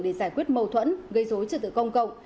để giải quyết mâu thuẫn gây dối trật tự công cộng